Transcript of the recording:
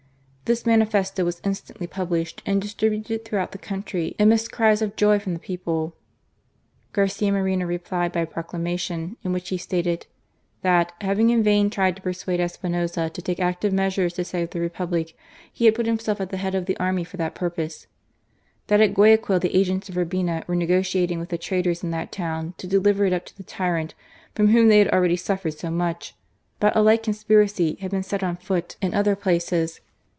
This manifesto was instantly published and distributed throughout the country, amidst cries of joy from the people. Garcia Moreno replied by a proclamation, in which he stated "that, having in vain tried to persuade Espinoza to take active measures to save the Republic, he had put himself at the head of the army for that purpose. That at Guayaquil the agents of Urbina were negotiating with the traitors in that town to deliver it up to the tyrant from whom they had already suffered so much ; that a like conspiracy had been set on foot in other places.